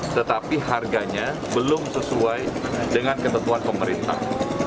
tetapi harganya belum sesuai dengan ketentuan pemerintah